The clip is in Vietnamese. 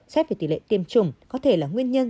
xét về tỷ lệ tiêm chủng có thể là nguyên nhân